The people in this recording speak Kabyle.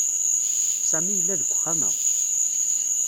Sami yella deg uxxam-a.